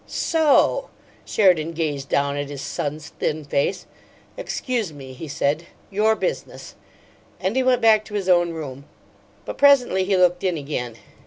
"So!" Sheridan gazed down at his son's thin face. "Excuse me," he said. "Your business." And he went back to his own room. But presently he looked in again.